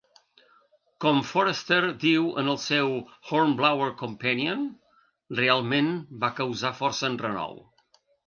Com Forester diu en el seu "Hornblower Companion", "... realment va causar força enrenou".